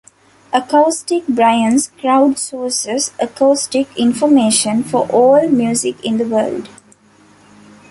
AcousticBrainz crowd sources acoustic information for all music in the world